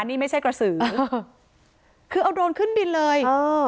นี่ไม่ใช่กระสือคือเอาโดรนขึ้นบินเลยเออ